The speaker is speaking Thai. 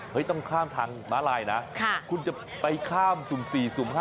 ต้องข้ามทางม้าลายนะคุณจะไปข้ามสุ่ม๔สุ่ม๕